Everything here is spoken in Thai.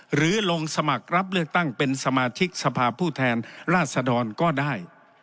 หรือลงสมัครรับเลือกตั้งเป็นสมาชิกสภาพผู้แทนราชดรก็ได้